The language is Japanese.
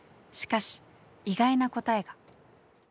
しかし意外な答えが。